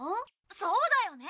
そうだよね。